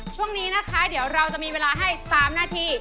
ช่วงนี้นะคะเดี๋ยวเราจะมีเวลาให้๓นาที